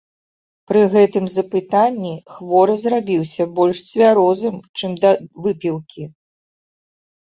Пры гэтым запытанні хворы зрабіўся больш цвярозым, чым да выпіўкі.